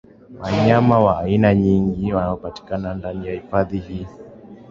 Wanyama wa aina nyingi wanaopatikana ndani ya hifadhi hii